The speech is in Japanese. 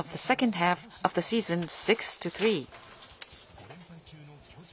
５連敗中の巨人。